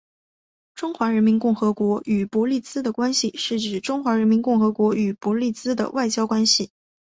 中华人民共和国与伯利兹关系是指中华人民共和国与伯利兹的外交关系。